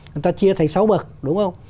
người ta chia thành sáu bậc đúng không